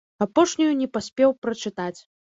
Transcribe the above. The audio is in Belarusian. Апошнюю не паспеў прачытаць.